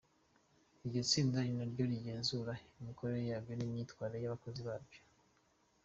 Iryo tsinda ni na ryo rigenzura imikorere yabyo n’imyitwarire y’abakozi babyo.